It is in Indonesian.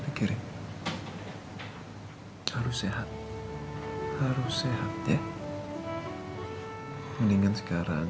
pasti barusan sakit pangki im mysterius